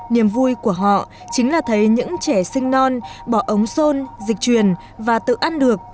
niềm vui của họ chính là thấy những trẻ sinh non bỏ ống xôn dịch truyền và tự ăn được